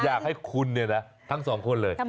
อยากให้คุณเนี่ยนะทั้งสองคนเลย